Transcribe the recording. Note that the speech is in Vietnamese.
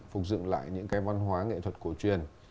phục dựng lại những cái văn hóa nghệ thuật cổ truyền